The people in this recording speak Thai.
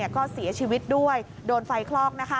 ก็เสียชีวิตด้วยโดนไฟคลอก